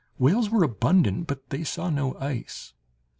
Whales were abundant, but they saw no ice.